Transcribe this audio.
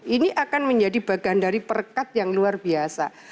ini akan menjadi bagian dari perkat yang luar biasa